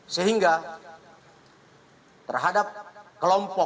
sehingga terhadap kelompok